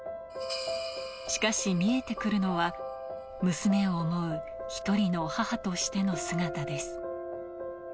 しかし見えてくるのは、娘を思う一人の母としての姿です。